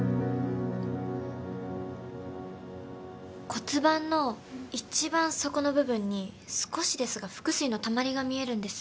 骨盤の一番底の部分に少しですが腹水のたまりが見えるんです。